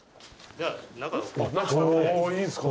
いいんすか？